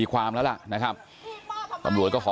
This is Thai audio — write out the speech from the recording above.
ก็ขอความร่วมมือให้ครอบครัวทั้งสองฝั่งเนี่ย